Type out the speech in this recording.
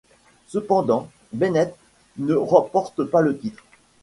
Cependant, Bennett ne remporte pas le titre.